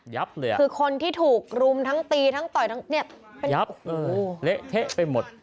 คือคนที่ถูกรุมทั้งตีทั้งต่อยทั้งเนี่ยยับเละเทะไปหมด